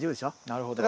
なるほど。